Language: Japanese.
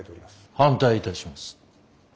反対いたします。